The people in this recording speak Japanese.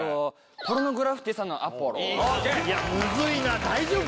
ポルノグラフィティさんの「アポロ」いやむずいな大丈夫？